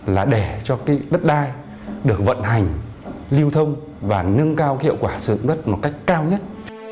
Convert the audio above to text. là để cho cái đất đai được vận hành lưu thông và nâng cao hiệu quả sử dụng đất một cách cao nhất